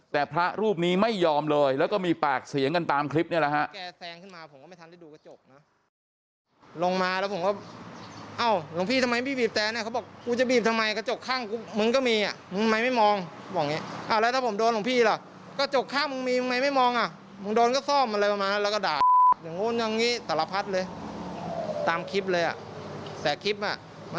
แต่พระรูปนี้ไม่ยอมเลยแล้วก็มีปากเสียงกันตามคลิปนี่แหละฮะ